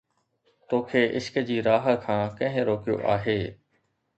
تو کي عشق جي راهه کان ڪنهن روڪيو آهي؟